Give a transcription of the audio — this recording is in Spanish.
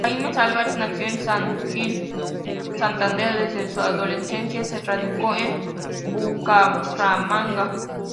Jaime Álvarez nació en San Gil Santander, desde su adolescencia se radicó en Bucaramanga.